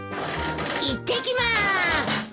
いってきまーす！